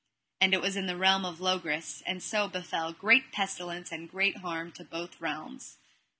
And it was in the realm of Logris; and so befell great pestilence and great harm to both realms.